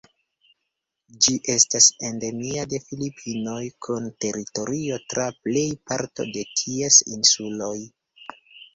Ĝi estas endemia de Filipinoj, kun teritorio tra plej parto de ties insuloj.